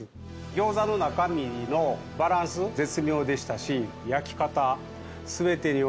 餃子の中身のバランス絶妙でしたし。